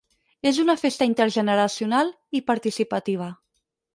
És una festa intergeneracional i participativa.